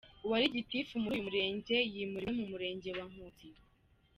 Uwari Gitifu w’uyu Murenge yimuriwe mu Murenge wa Nkotsi.